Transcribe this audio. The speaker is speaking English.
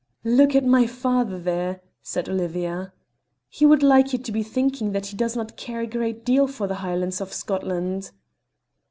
"Look at my father there!" said Olivia; "he would like you to be thinking that he does not care a great deal for the Highlands of Scotland."